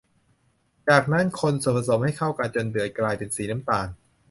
จากนั้นคนส่วนผสมให้เข้ากันจนเดือดกลายเป็นสีน้ำตาล